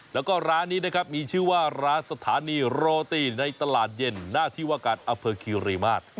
แล้วก็ร้านนี้นะครับมีชื่อว่าร้านสถานีโรตีในตลาดเย็นหน้าที่ว่าการอเภอคีรีมาตร